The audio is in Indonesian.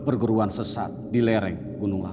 perguruan sesat di lereng gunung